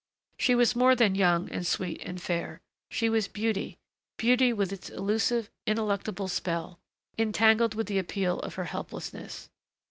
She was more than young and sweet and fair. She was beauty, beauty with its elusive, ineluctable spell, entangled with the appeal of her helplessness.